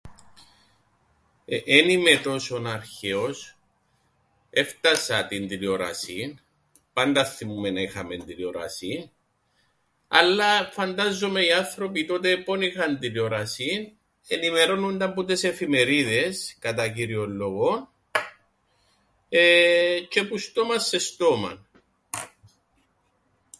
Εεε... εν είμαι τόσον αρχαίος. Έφτασα την τηλεόρασην. Πάντα αθθυμούμαι να είχαμεν τηλεόρασην αλλά φαντάζουμαι οι άνθρωποι τότε πο' 'ν είχαν τηλεόρασην ενημερώννουνταν που τες εφημερίδες κατά κύριον λόγον εεε τζ̆αι που στόμαν σε στόμαν.